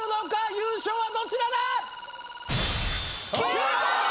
優勝はどちらだ！？